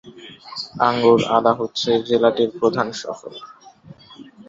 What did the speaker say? আঙ্গুর আদা হচ্ছে জেলাটির প্রধান শহর।